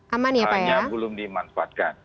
hanya belum dimanfaatkan